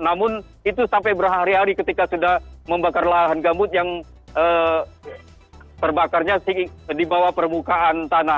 namun itu sampai berhari hari ketika sudah membakar lahan gambut yang terbakarnya di bawah permukaan tanah